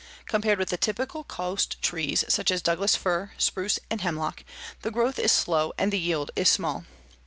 Compared with the typical coast trees, such as Douglas fir, spruce and hemlock, the growth is slow and the yield small.